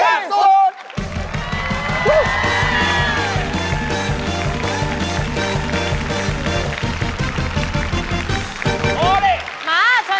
มาเชิญชนิดนี้เลยค่ะ